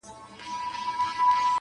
هم په عمر يمه مشر هم سردار يم!!